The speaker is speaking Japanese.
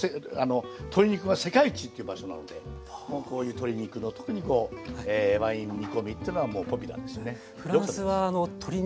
鶏肉が世界一っていう場所なのでもうこういう鶏肉の特にこうワイン煮込みっていうのはもうポピュラーですね。